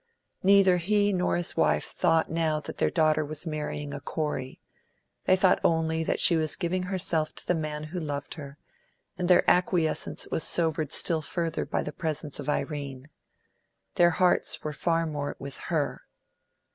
Neither he nor his wife thought now that their daughter was marrying a Corey; they thought only that she was giving herself to the man who loved her, and their acquiescence was sobered still further by the presence of Irene. Their hearts were far more with her.